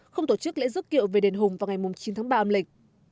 không tổ chức lễ dức kiệu về đền hùng vào ngày chín tháng ba âm lịch